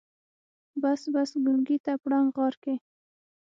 بس بس ګونګي ته پړانګ غار کې.